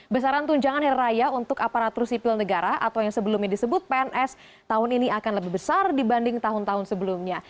besaran tunjangan hari raya untuk aparatur sipil negara atau yang sebelumnya disebut pns tahun ini akan lebih besar dibanding tahun tahun sebelumnya